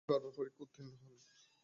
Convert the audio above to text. তিনি বার পরীক্ষায় উত্তীর্ণ হন।